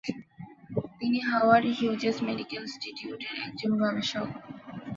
তিনি Howard Hughes medical institute এর একজন গবেষক।